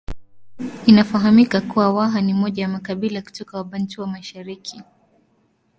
Inafahamika kuwa Waha ni moja ya makabila kutoka Wabantu wa mashariki